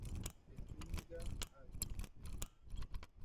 Estúñiga, al.